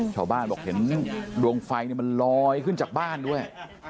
ชาวบ้านบอกเห็นดวงไฟมันลอยขึ้นจากบ้านด้วย